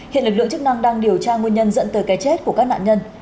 hiện lực lượng chức năng đang điều tra nguyên nhân dẫn tới cái chết của các nạn nhân